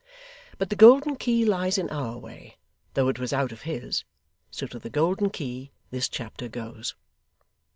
But the Golden Key lies in our way, though it was out of his; so to the Golden Key this chapter goes.